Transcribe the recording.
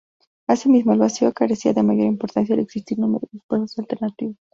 Asimismo, el vado carecía de mayor importancia al existir numerosos pasos alternativos.